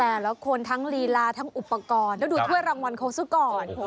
แต่ละคนทั้งลีลาทั้งอุปกรณ์แล้วดูถ้วยรางวัลเขาซะก่อน